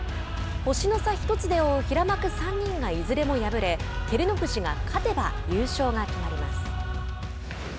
星の差１つで追う平幕３人がいずれも敗れ照ノ富士が勝てば優勝が決まります。